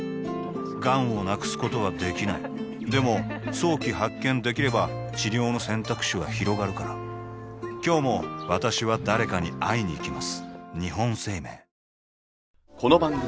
がんを無くすことはできないでも早期発見できれば治療の選択肢はひろがるから今日も私は誰かに会いにいきます